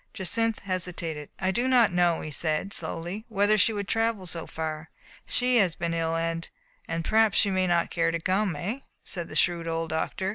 Jacynth hesitated, "I do not know," he said slowly, "whether she could travel so far. She has been ill — and " "And, perhaps — she may not care to come, eh?" said the shrewd old doctor.